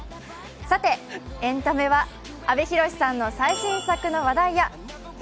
さて、エンタメは阿部寛さんの最新作の話題やＨｅｙ！